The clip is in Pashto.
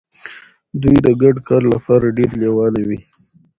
دوی د ګډ کار لپاره ډیر لیواله وي.